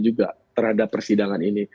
juga terhadap persidangan ini